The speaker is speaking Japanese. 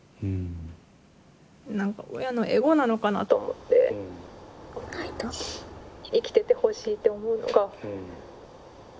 何か親のエゴなのかなと思って生きててほしいって思うのが。